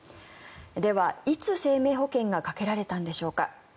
では、いつ生命保険がかけられたのでしょうか。